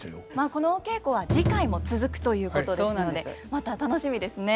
このお稽古は次回も続くということですのでまた楽しみですね。